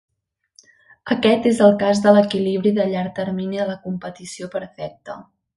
Aquest és el cas de l"equilibri de llarg termini de la competició perfecta.